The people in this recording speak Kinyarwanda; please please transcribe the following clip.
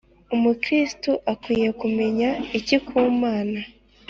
umukirisitu akwiye kumenya iki kumana